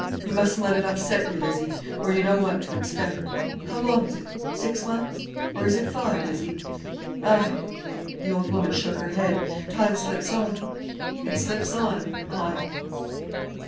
You mustn't let it upset you, Lizzie—or you know what to expect. How long is it, six months—or is it five, Lizzie? Ay!"—the old woman shook her head—"time slips on, it slips on! Ay!"